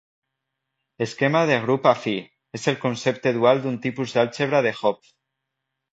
"Esquema de grup afí" és el concepte dual d'un tipus d'àlgebra de Hopf.